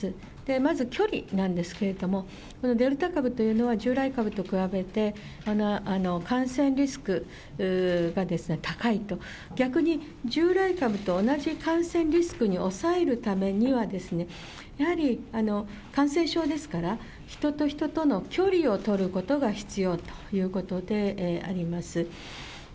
まず距離なんですけれども、このデルタ株というのは、従来株と比べて、感染リスクが高いと、逆に従来株と同じ感染リスクに抑えるためには、やはり感染症ですから、人と人との距離を取ることが必要ということであります。